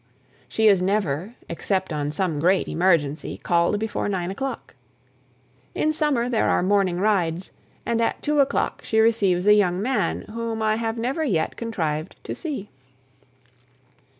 She is never, except on some great emergency, called before nine o'clock. In summer there are morning rides, and at two o'clock she receives a young man whom I have never yet contrived to see.